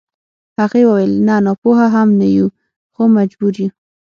هغې وويل نه ناپوهه هم نه يو خو مجبور يو.